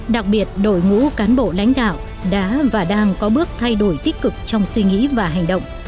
đặc biệt đội ngũ cán bộ lãnh đạo đã và đang có bước thay đổi tích cực trong suy nghĩ và hành động